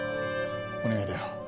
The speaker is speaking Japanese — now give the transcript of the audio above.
お願いだよ